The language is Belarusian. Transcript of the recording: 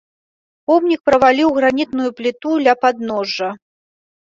Помнік праваліў гранітную пліту ля падножжа.